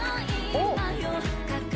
おっ！